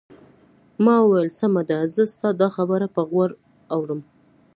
ما وویل: سمه ده، زه ستا دا خبره په غور اورم.